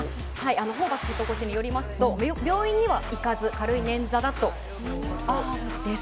ホーバスヘッドコーチによりますと病院には行かず軽いねん挫ということです。